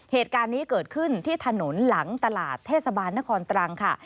เหตุการณ์นี้เกิดขึ้นที่ถนนหลังตลาดเทศบาลนครตรังค่ะ